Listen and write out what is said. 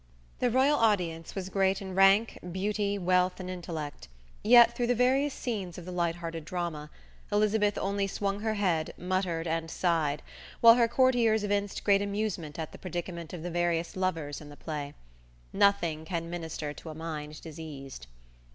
The royal audience was great in rank, beauty, wealth and intellect, yet through the various scenes of the light hearted drama, Elizabeth only swung her head, muttered and sighed, while her courtiers evinced great amusement at the predicament of the various lovers in the play. Nothing can minister to a mind diseased.